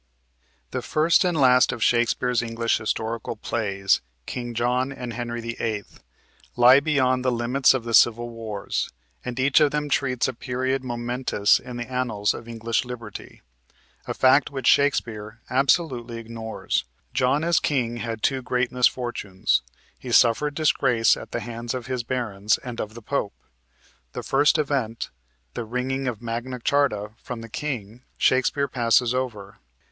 The first and last of Shakespeare's English historical plays, "King John" and "Henry VIII.," lie beyond the limits of the civil wars, and each of them treats of a period momentous in the annals of English liberty, a fact which Shakespeare absolutely ignores. John as king had two great misfortunes he suffered disgrace at the hands of his barons and of the pope. The first event, the wringing of Magna Charta from the king, Shakespeare passes over.